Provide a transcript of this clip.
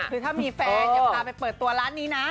คือถ้ามีแฟนอย่าพาไปเปิดตัวร้านนี้นะ